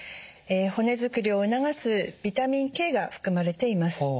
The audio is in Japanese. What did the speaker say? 骨づくりを促すビタミンＫが含まれています。